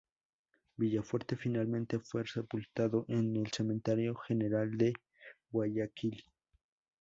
Villafuerte finalmente fue sepultado en el Cementerio General de Guayaquil.